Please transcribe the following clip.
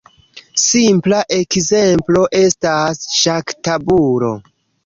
Simpla ekzemplo estas ŝaktabulo.